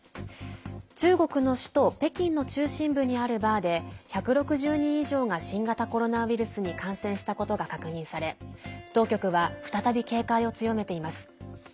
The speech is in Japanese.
中国の首都・北京の中心部にあるバーで１６０人以上が新型コロナウイルスに感染したことが確認され当局は再び警戒を強めています。